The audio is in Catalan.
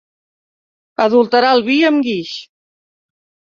Adulterar el vi amb guix.